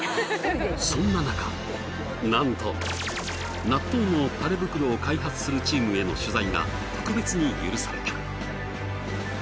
そんななかなんと納豆のタレ袋を開発するチームへの取材が特別に許された。